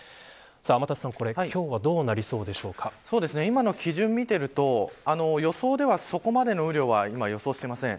天達さん、今日は今の基準を見ていると予想では、そこまでの雨量は予想していません。